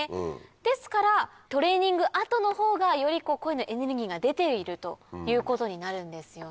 ですからトレーニング後の方がより声のエネルギーが出ているということになるんですよね。